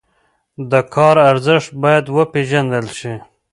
د کار ارزښت باید وپېژندل شي.